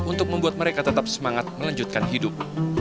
untuk membuat mereka tetap semangat melanjutkan hidup